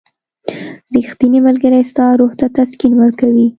• ریښتینی ملګری ستا روح ته تسکین ورکوي.